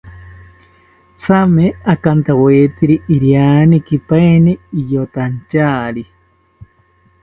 Thame akantawetiri irianerikipaeni riyotantyari